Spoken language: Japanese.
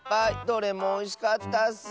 どれもおいしかったッス。